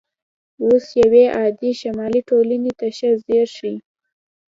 اوس یوې عادي شمالي ټولنې ته ښه ځیر شئ